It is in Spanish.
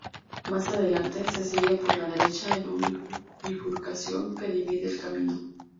Más adelante, se sigue por la derecha en una bifurcación que divide el camino.